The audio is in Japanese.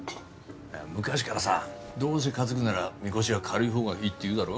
昔からさ「どうせ担ぐならみこしは軽いほうがいい」って言うだろ？